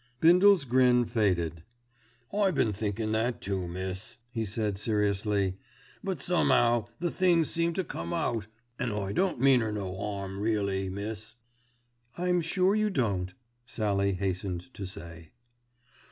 Bindle's grin faded. "I been thinkin' that too, miss," he said seriously. "But some'ow the things seem to come out, an' I don't mean 'er no 'arm really, miss." "I'm sure you don't," Sallie hastened to say.